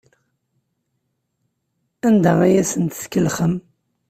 Anda ay asent-tkellxem?